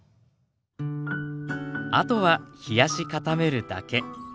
あとは冷やし固めるだけ。